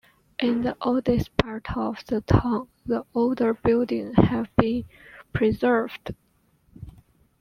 In the oldest part of the town the older buildings have been preserved.